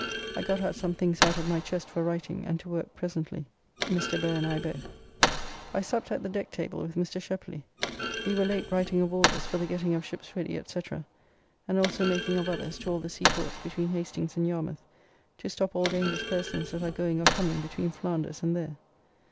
I got out some things out of my chest for writing and to work presently, Mr. Burr and I both. I supped at the deck table with Mr. Sheply. We were late writing of orders for the getting of ships ready, &c. and also making of others to all the seaports between Hastings and Yarmouth, to stop all dangerous persons that are going or coming between Flanders and there.